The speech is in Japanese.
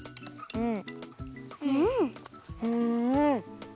うん！